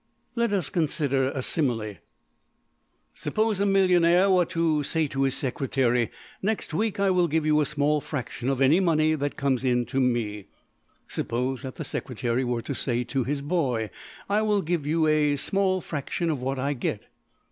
Let us consider a simile. Suppose a millionaire were to say to his secretary: next week I will give you a small fraction of any money that comes in to me. Suppose that the secretary were to say to his boy: I will give you a small fraction of what I get.